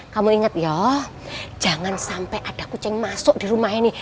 kamu ingat ya jangan sampai ada kucing masuk di rumahnya nih